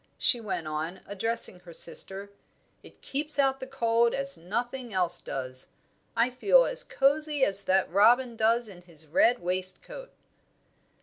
she went on, addressing her sister. "It keeps out the cold as nothing else does. I feel as cosy as that robin does in his red waistcoat."